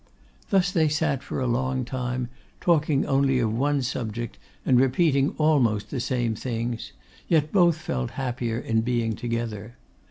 Thus they sat for a long time, talking only of one subject, and repeating almost the same things, yet both felt happier in being together.